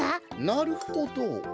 なるほど。